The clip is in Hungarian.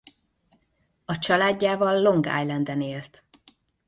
A családjával Long Islanden élt.